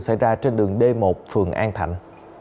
xảy ra trên đường d một phường an thạnh